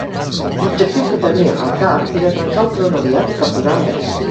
L'objectiu que tenia al cap era trencar el front Aliat i capturar Anvers.